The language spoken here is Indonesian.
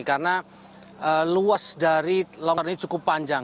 karena luas dari longsor ini cukup panjang